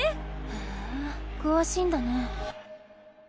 へえ詳しいんだね。